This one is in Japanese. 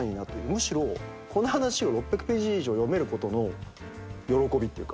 むしろこの話を６００ページ以上読めることの喜びっていうか。